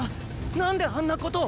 何であんなことを。